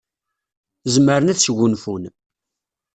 Zemren ad sgunfun.